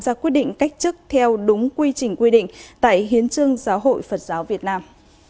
ra quyết định cách chức theo đúng quy trình quy định tại hiến trương giáo hội phật giáo việt nam